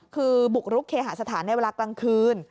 คือบุกรุกเคหาสถานในเวลากลางคืน